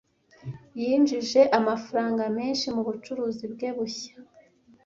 Yinjije amafaranga menshi mubucuruzi bwe bushya.